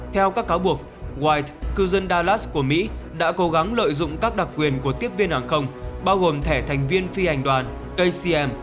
theo các cáo buộc wh cư dân dalas của mỹ đã cố gắng lợi dụng các đặc quyền của tiếp viên hàng không bao gồm thẻ thành viên phi hành đoàn kcm